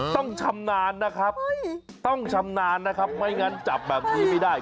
ต้องชำนานนะครับไม่งั้นจับแบบนี้ไม่ได้